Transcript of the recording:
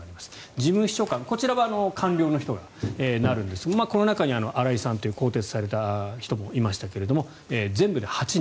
事務秘書官、こちらは官僚の人がなりますがこの中に荒井さんという更迭された人もいましたが全部で８人。